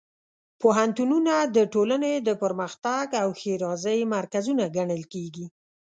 پوهنتونونه د ټولنې د پرمختګ او ښېرازۍ مرکزونه ګڼل کېږي.